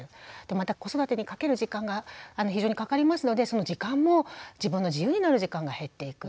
また子育てにかける時間が非常にかかりますのでその時間も自分の自由になる時間が減っていく。